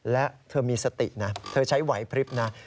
และเธอมีสตินะเธอใช้ไหวพลิบนะ